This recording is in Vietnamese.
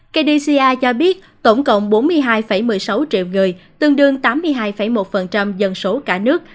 kdc cho biết tổng cộng bốn mươi hai một mươi sáu triệu người tương đương tám mươi hai một dân số cả nước